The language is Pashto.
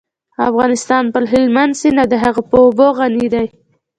افغانستان په هلمند سیند او د هغې په اوبو غني دی.